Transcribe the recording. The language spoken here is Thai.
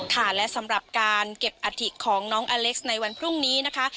ค่ะและสำหรับการเก็บอัฐิของน้องอเล็กซ์ในวันพรุ่งนี้นะคะ